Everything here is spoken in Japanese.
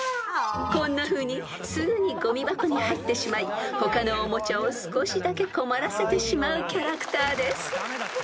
［こんなふうにすぐにごみ箱に入ってしまい他のおもちゃを少しだけ困らせてしまうキャラクターです］